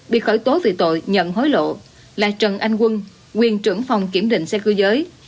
bị khởi tố về tội nhận hối lộ là trần anh quân nguyên trưởng phòng kiểm định xe cơ giới